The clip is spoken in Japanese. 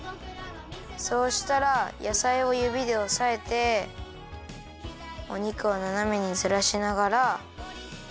そうしたらやさいをゆびでおさえてお肉をななめにずらしながら。